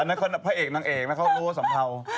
อันนั้นคือภาษาแบบนักเอกนักเอกนักโลสัมเภา